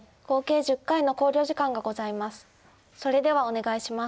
それではお願いします。